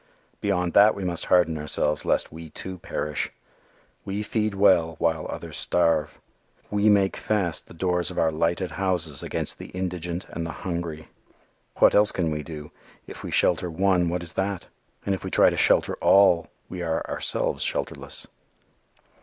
Beyond that we must harden ourselves lest we too perish. We feed well while others starve. We make fast the doors of our lighted houses against the indigent and the hungry. What else can we do? If we shelter one what is that? And if we try to shelter all, we are ourselves shelterless.